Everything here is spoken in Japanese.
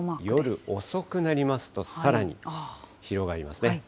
夜遅くなりますとさらに広がりますね。